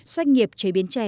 xoay nghiệp trè biến trè